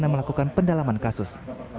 dan melakukan pendalaman kasus